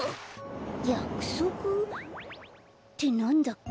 やくそく？ってなんだっけ？